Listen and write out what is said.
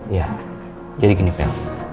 iya jadi gini vel